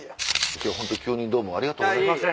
今日はホント急にどうもありがとうございました。